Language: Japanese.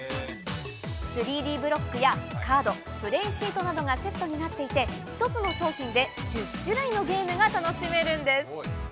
３Ｄブロックやカード、プレーシートなどがセットになっていて、１つの商品で１０種類のゲームが楽しめるんです。